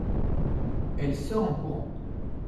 Elle sort en courant.